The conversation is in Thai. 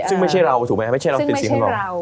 ซึ่งไม่ใช่เราถูกไหมครับไม่ใช่เราสิข้างน้อย